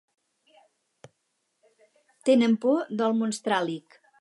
Tenen por del Monstràl·lic.